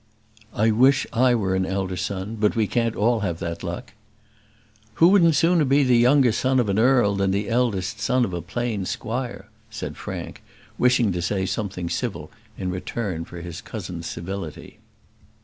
"I wish I were an elder son; but we can't all have that luck." "Who wouldn't sooner be the younger son of an earl than the eldest son of a plain squire?" said Frank, wishing to say something civil in return for his cousin's civility.